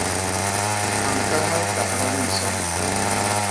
A ñkahal kagda ni nson.